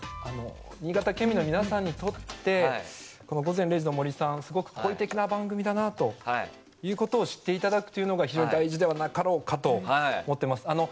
新潟県民の皆さんにとって「午前０時の森」さんすごく好意的な番組だなということを知っていただくというのが非常に大事ではなかろうかと思っています。